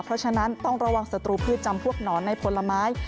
เพราะฉะนั้นต้องระวังศัตรูพืชจำพวกหนอนในผลไม้